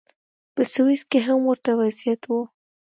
په سویس کې هم ورته وضعیت و.